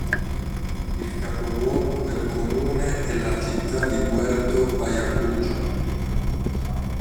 Il capoluogo del comune è la città di Puerto Ayacucho.